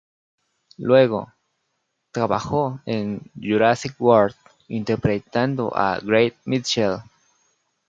Luego, trabajó en "Jurassic World", interpretando a Gray Mitchell.